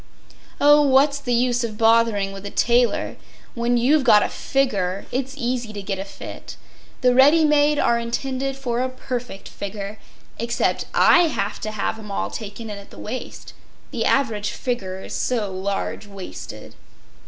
Oh, what’s the use of bothering with a tailor—when you’ve got a figger it’s easy to get a fit—the ready made are intended for a perfect figger—except I have to have ’em all taken in at the waist—the average figger is so large waisted.